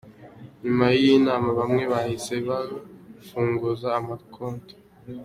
Nyuma y’iyi nama bamwe bahise bafunguza amakonti.